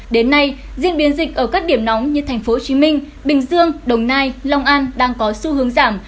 đến nay diễn biến dịch ở các điểm nóng như thành phố hồ chí minh bình dương đồng nai long an đang có xu hướng giảm